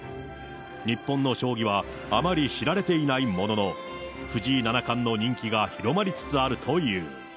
日本の将棋はあまり知られていないものの、藤井七冠の人気が広まりつつあるという。